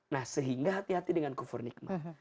nah sehingga hati hati dengan kufur nikmat